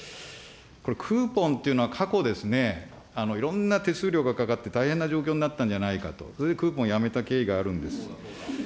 これ、クーポンっていうのは過去ですね、いろんな手数料がかかって、大変な状況になったんじゃないかと、それでクーポンやめた経緯があるんです。